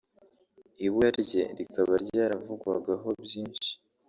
ibura rye rikaba ryaravugwagaho byinshi